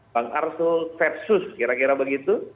bang arsul versus kira kira begitu